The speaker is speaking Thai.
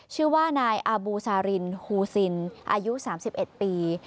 ชื่อว่านายอาบูซารินฮูซินอายุ๓๑ปี